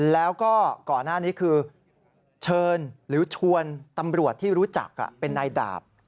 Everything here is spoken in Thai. แล้วก็ก่อนหน้านี้คือเชิญหรือชวนตำรวจที่รู้จักเป็นนายดาบ